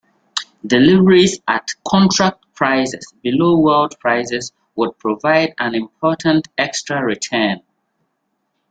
Deliveries at contract prices below world prices would provide an important extra return.